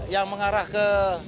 yang mengarah ke